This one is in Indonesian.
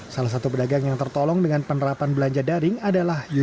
salah satu pedagang yang tertolong dengan penerapan belanja daring adalah yusuf